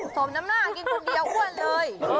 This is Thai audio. สมน้ำหน้ากินคนเดียวอ้วนเลย